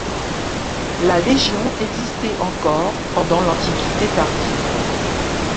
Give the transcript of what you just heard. La légion existait encore pendant l’Antiquité tardive.